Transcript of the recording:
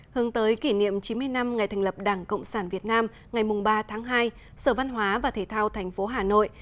hướng tới kỷ niệm chín mươi năm ngày thành lập đảng cộng sản việt nam ngày ba tháng hai sở văn hóa và thể thao tp hà nội